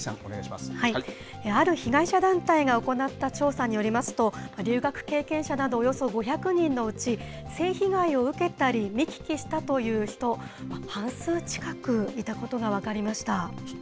ある被害者団体が行った調査によりますと、留学経験者などおよそ５００人のうち、性被害を受けたり見聞きしたという人、半数近くいたことが分かりました。